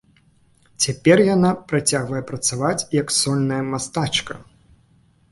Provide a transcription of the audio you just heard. Цяпер яна працягвае працаваць як сольная мастачка.